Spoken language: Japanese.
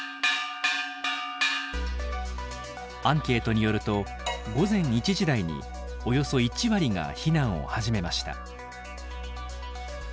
アンケートによると午前１時台におよそ１割が避難を始めました。